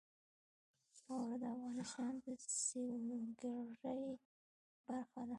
واوره د افغانستان د سیلګرۍ برخه ده.